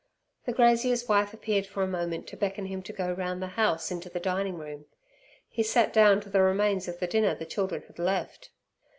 The grazier's wife appeared for a moment to beckon him to go round the house into the dining room. He sat down to the remains of the dinner the children had left.